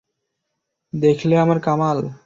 দেখলে আমার কামাল!